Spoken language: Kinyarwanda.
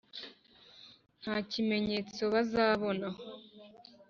nta kimenyetso bazabona